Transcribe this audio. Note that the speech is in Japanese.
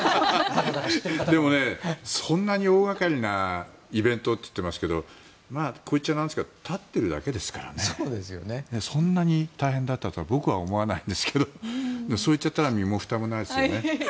でもね、そんなに大掛かりなイベントっていってますけどまあ、こう言っちゃなんですけど立ってるだけですからそんなに大変だったとは僕は思わないんですがそういったら身もふたもないですよね。